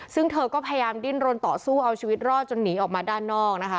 ซึ่งเธอก็พยายามดิ้นรนต่อสู้เอาชีวิตรอดจนหนีออกมาด้านนอกนะคะ